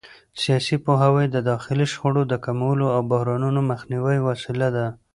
سیاسي پوهاوی د داخلي شخړو د کمولو او بحرانونو مخنیوي وسیله ده